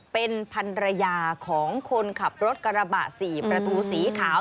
เป็นพันรยาของคนขับรถกระบะ๔ประตูสีขาว